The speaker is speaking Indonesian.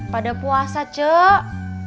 pada puasa cok